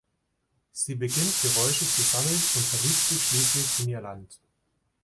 Sie beginnt, Geräusche zu sammeln und verliebt sich schließlich in ihr Land.